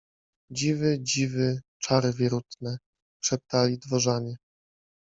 Dziwy, dziwy, czary wierutne. — szeptali dworzanie.